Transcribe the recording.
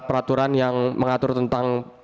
peraturan yang mengatur tentang